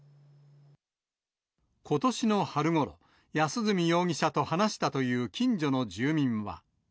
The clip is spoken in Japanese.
ことしの春ごろ、安栖容疑者と話したという近所の住民は。